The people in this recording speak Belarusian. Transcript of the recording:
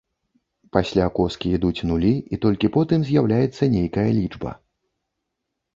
Пасля коскі ідуць нулі і толькі потым з'яўляецца нейкая лічба.